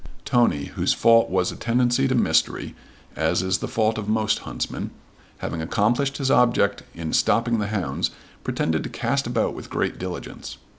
Tony, whose fault was a tendency to mystery, as is the fault of most huntsmen, having accomplished his object in stopping the hounds, pretended to cast about with great diligence.